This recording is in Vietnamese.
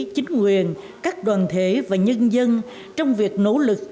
chính quyền các đoàn thể và nhân dân trong việc nỗ lực